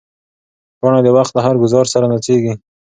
پاڼه د وخت له هر ګوزار سره نڅېږي.